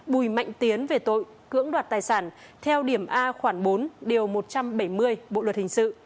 bùi mạnh tiến về tội cưỡng đoạt tài sản theo điểm a khoảng bốn điều một trăm bảy mươi bộ luật hình sự